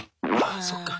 ああそっか。